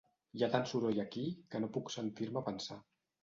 Hi ha tant soroll aquí que no puc sentir-me pensar.